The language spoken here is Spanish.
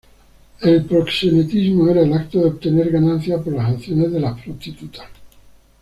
El proxenetismo era el acto de obtener ganancia por las acciones de la prostituta.